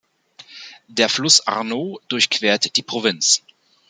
Der Fluss Arno durchquert die Provinz.